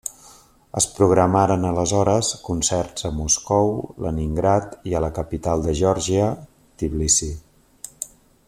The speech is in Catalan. Es programaren aleshores concerts a Moscou, Leningrad i a la capital de Geòrgia, Tbilisi.